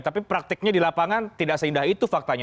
tapi praktiknya di lapangan tidak seindah itu faktanya